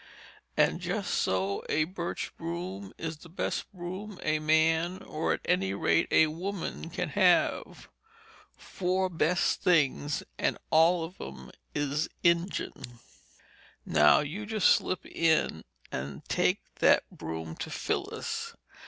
And just so a birch broom is the best broom a man or at any rate a woman can have; four best things and all of 'em is Injun. Now you just slip in and take that broom to Phillis.